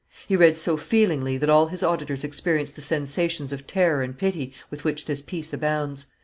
He read so feelingly that all his auditors experienced the sensations of terror and pity with which this piece abounds.